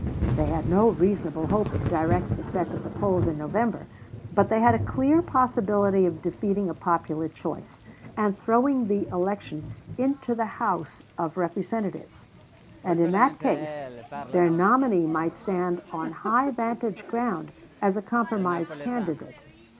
They had no reasonable hope of direct success at the polls in November; but they had a clear possibility of defeating a popular choice, and throwing the election into the House of Representatives; and in that case their nominee might stand on high vantage ground as a compromise candidate.